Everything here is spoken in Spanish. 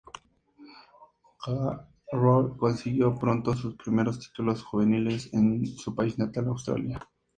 Carroll consiguió pronto sus primeros títulos juveniles en su país natal, Australia.